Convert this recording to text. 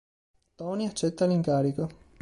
Tony accetta l'incarico.